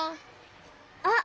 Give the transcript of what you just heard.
あっ！